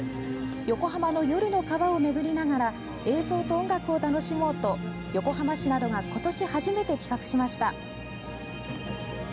横浜の夜の川を巡りながら映像と音楽を楽しもうと横浜市などが今年初めて企画しました。